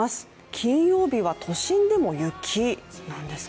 金曜日は都心でも雪なんですか？